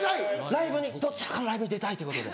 ライブにどっちかのライブに出たいということで。